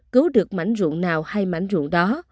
cứu được mảnh ruộng nào hay mảnh ruộng đó